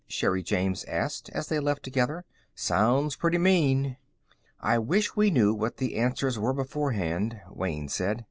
Sherri James asked, as they left together. "Sounds pretty mean." "I wish we knew what the answers were beforehand," Wayne said.